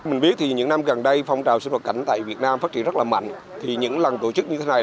mình biết thì những năm gần đây phong trào xuất nhập cảnh tại việt nam phát triển rất là mạnh thì những lần tổ chức như thế này